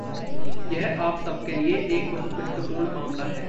यह आप सब के लिए एक बहुत महत्वपूर्ण मामला है।